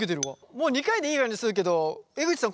もう２回でいいような感じするけど江口さん